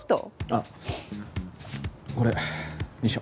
あっこれ遺書。